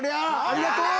ありがとう！